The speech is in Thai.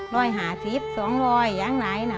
รอยหาสิบสองรอยอย่างไรนะ